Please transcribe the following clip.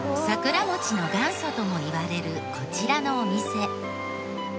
桜餅の元祖ともいわれるこちらのお店。